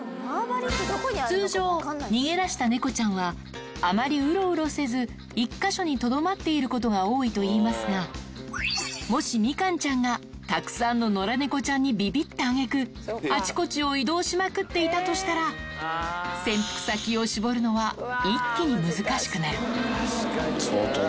通常、逃げ出した猫ちゃんは、あまりうろうろせず、１か所にとどまっていることが多いといいますが、もしみかんちゃんがたくさんの野良猫ちゃんにびびったあげく、あちこちを移動しまくっていたとしたら、潜伏先を絞るのは一気に難しくなる。